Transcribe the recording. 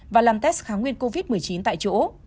và làm test kháng nguyên covid một mươi chín tại chỗ